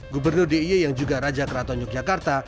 gubernur d i e yang juga raja keraton yogyakarta